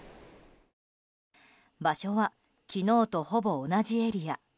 場所は昨日とほぼ同じエリア。